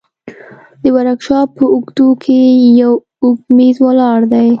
د ورکشاپ په اوږدو کښې يو اوږد مېز ولاړ دى.